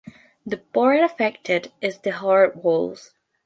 The part affected is the heart-walls.